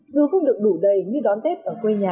dù không được đủ đầy như đón tết ở quê nhà